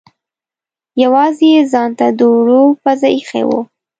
یوازې یې ځانته د اوړو پزه اېښې وه.